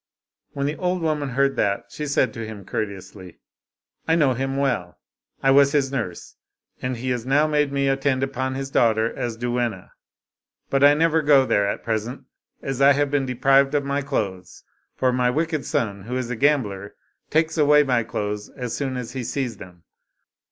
" When the old woman heard that, she said to him courteously, '* I know him well ; I was his nurse, and he has now made me attend upon his daughter as a "7 Oriental Mystery Stories duenna ; but I never go there at present, as I have been de prived of my clothesi for my wicked son, who is a gambler, takes away my clothes as soon as he sees them."